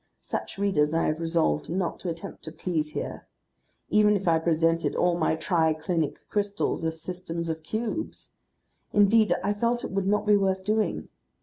Such readers I have resolved not to attempt to please here. Even if I presented all my tri clinic crystals as systems of cubes ! Indeed I felt it would not be worth doing.